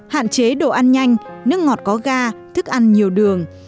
hạn chế độ ăn nhanh nước ngọt có ga thức ăn nhiều đường